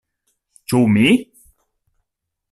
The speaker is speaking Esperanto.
Ĉu mi!?